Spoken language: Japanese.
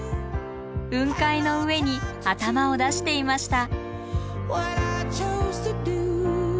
雲海の上に頭を出していました。